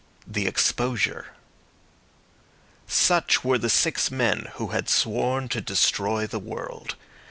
THE EXPOSURE Such were the six men who had sworn to destroy the world.